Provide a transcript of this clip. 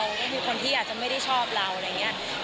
ก็คือคนที่อาจจะไม่ได้ชอบเราอะไรอย่างนี้